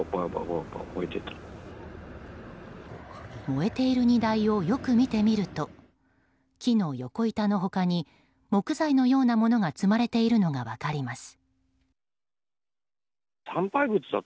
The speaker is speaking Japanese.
燃えている荷台をよく見てみると木の横板の他に木材のようなものが積まれているのが分かります。